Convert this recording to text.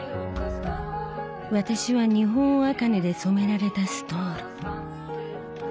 私は日本茜で染められたストール。